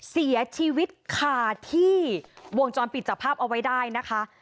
เสียชีวิตค่ะที่วงจรปิดจับภาพเอาไว้ได้นะคะ